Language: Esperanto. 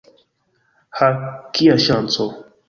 Ha! kia ŝanco!